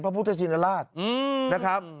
พระพุทธชีวิตอลาสนะครับ